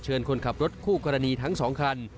เชิญคนขับรถคู่กรณีทั้ง๒คัน